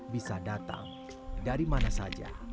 bisa datang dari mana saja